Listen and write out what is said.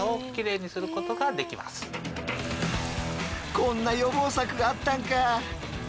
こんな予防策があったんか。